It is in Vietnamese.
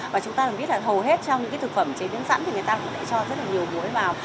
và chúng ta được biết là hầu hết trong những cái thực phẩm chế biến sẵn thì người ta cũng lại cho rất là nhiều muối vào